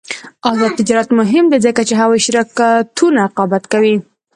آزاد تجارت مهم دی ځکه چې هوايي شرکتونه رقابت کوي.